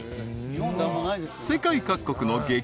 ［世界各国の激